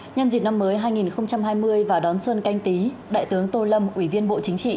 nhân dịp năm mới hai nghìn hai mươi và đón xuân canh tí đại tướng tô lâm ủy viên bộ chính trị